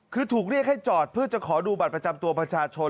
คือถูกเรียกให้จอดเพื่อจะขอดูบัตรประจำตัวประชาชน